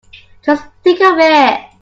Just think of it!